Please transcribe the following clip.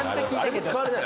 使われない。